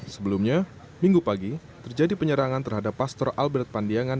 sebelumnya minggu pagi terjadi penyerangan terhadap pastor albert pandiangan